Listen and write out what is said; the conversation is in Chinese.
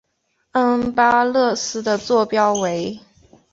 恩巴勒斯的座标为。